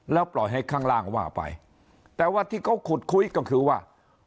แล้วปล่อยให้ข้างล่างว่าไปแต่ว่าที่เขาขุดคุยก็คือว่า